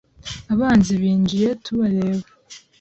Abanzi bijinye tubareba !